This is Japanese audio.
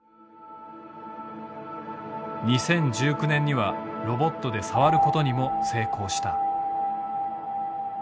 ２０１９年にはロボットで触ることにも成功した。